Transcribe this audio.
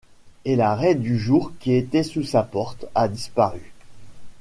Et la raie de jour qui était sous sa porte a disparu.